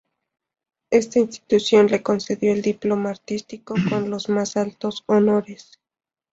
Esta institución le concedió el diploma artístico con los más altos honores.